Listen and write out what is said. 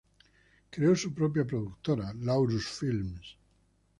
Creó su propia productora, Laurus Films.